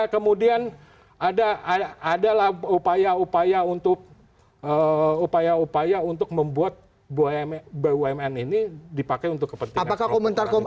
kemudian ada adalah upaya upaya untuk membuat bumn ini dipakai untuk kepentingan